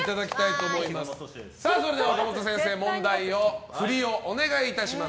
それでは岡本先生問題のふりをお願いします。